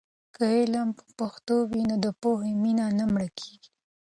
که علم په پښتو وي، نو د پوهې مینه نه مړه کېږي.